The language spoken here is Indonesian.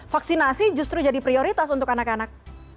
vaksinasi justru jadi prioritas untuk anak anak